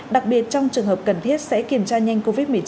đặc biệt trong trường hợp cần thiết sẽ kiểm tra nhanh covid một mươi chín